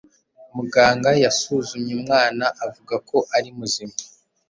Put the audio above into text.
Muganga yasuzumye umwana avuga ko ari muzima.